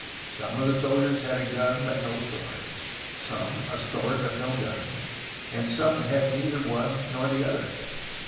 Some of the soldiers had a gun but no sword, some a sword but no gun, and some had neither one nor the other.